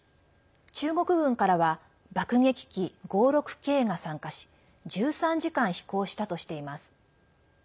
中国軍からは「爆撃機轟６Ｋ」が参加し１３時間飛行したとしています。